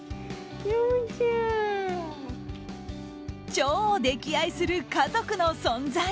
超溺愛する家族の存在。